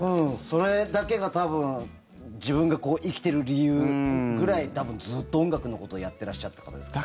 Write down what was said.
それだけが多分自分が生きてる理由ぐらい多分、ずっと音楽のことをやってらっしゃった方ですもんね。